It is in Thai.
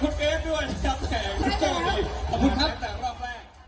ขอบคุณครับ